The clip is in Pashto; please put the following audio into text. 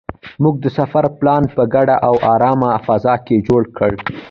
موږ د سفر پلان په ګډه او ارامه فضا کې جوړ کړ.